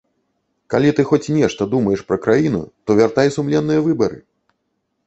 Калі ты хоць нешта думаеш пра краіну, то вяртай сумленныя выбары!